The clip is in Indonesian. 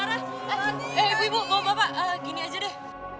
eh ibu bawa bapak gini aja deh